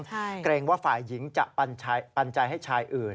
เกรงว่าฝ่ายหญิงจะปัญญาให้ชายอื่น